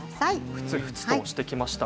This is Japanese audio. ふつふつしてきました。